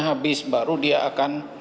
habis baru dia akan